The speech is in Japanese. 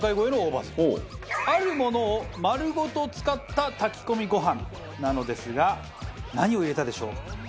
あるものを丸ごと使った炊き込みご飯なのですが何を入れたでしょう？